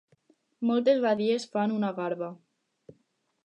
Moltes badies fan una garba.